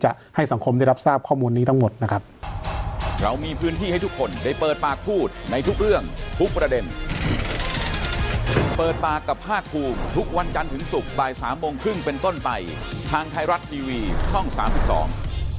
ให้สังคมได้รับทราบข้อมูลนี้ทั้งหมดนะครับเรามีพื้นที่ให้ทุกคนได้เปิดปากพูดในทุกเรื่องทุกประเด็นเปิดปากกับภาคภูมิทุกวันจันทร์ถึงศุกร์บายสามโมงครึ่งเป็นต้นไปทางไทยรัตน์ทีวีช่องสามสิบดอง